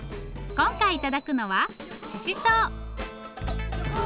今回頂くのはししとう。